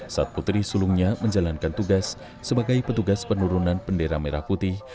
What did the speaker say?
saat putri sulungnya menjalankan tugas sebagai petugas penurunan bendera merah putih